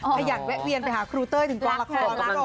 พยายามแวะเวียนไปหาครูเต้ยถึงกองละคร